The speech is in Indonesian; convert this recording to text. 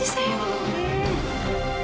aku juga pengen ber mujer